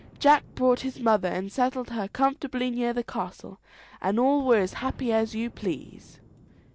Jack brought his mother, and settled her comfortably near the castle, and all were as happy as you please.